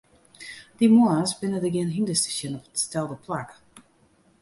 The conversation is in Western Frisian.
Dy moarns binne der gjin hynders te sjen op it stelde plak.